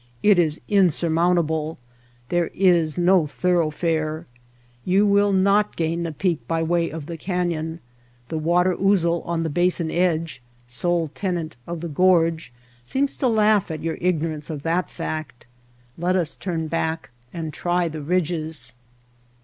It is insurmountable ; there is no thoroughfare. You will not gain the peak by way of the can yon. The water ousel on the basin edge — sole tenant of the gorge — seems to laugh at your ig norance of that fact. Let us turn back and try the ridges.